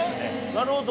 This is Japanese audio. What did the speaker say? なるほど。